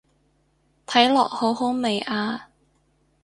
睇落好好味啊